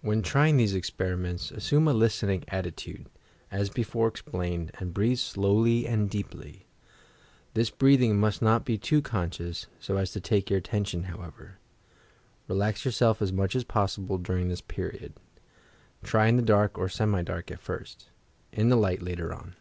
When trying these experiments, assume a "listening" attitude, as before explained and breathe slowly and deeply. (This breathing must not be too conscious, so as to fake your attention, however.) Relax yourself as much as possible during this period. Try in the dark or semi dark, at first ; in the light later on.